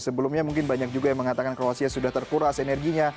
sebelumnya mungkin banyak juga yang mengatakan kroasia sudah terkuras energinya